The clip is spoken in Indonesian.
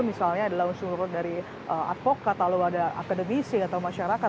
misalnya adalah unsur unsur dari advokat lalu ada akademisi atau masyarakat